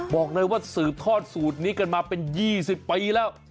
บอกเลยว่าสืบทอดสูตรนี้กันมาเป็น๒๐ปีแล้ว